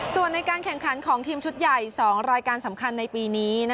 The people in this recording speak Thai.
ส่วนในการแข่งขันของทีมชุดใหญ่๒รายการสำคัญในปีนี้